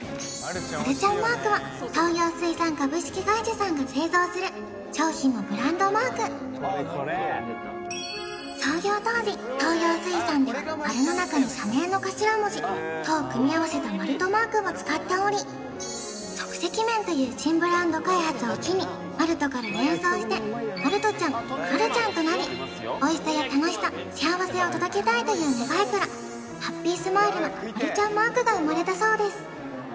マルちゃんマークは東洋水産株式会社さんが製造する商品のブランドマーク創業当時東洋水産では丸の中に社名の頭文字「と」を組み合わせた「マルト」マークを使っており即席麺という新ブランド開発を機にマルトから連想してマルトちゃんマルちゃんとなりおいしさや楽しさ幸せを届けたいという願いからハッピースマイルのマルちゃんマークが生まれたそうです